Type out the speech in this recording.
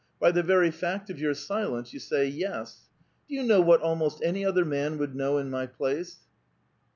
By the very fact of your silence you say ' yes.* Do you know what ahnost any other man would know in my place